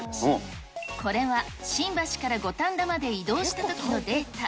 これは新橋から五反田まで移動したときのデータ。